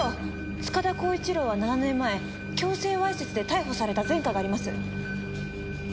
塚田巧一朗は７年前強制わいせつで逮捕された前科があります。